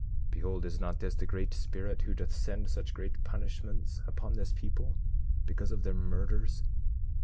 Behold, is not this the Great Spirit who doth send such great punishments upon this people, because of their murders?